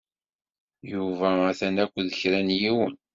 Yuba atan akked kra n yiwen.